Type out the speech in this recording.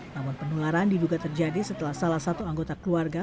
namun penularan diduga terjadi setelah salah satu anggota keluarga